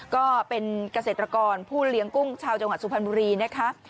ก็เป็นเกษตรกรผู้เลี้ยงกุ้งชาวจังหวัดสุพรรณบุรีนะคะ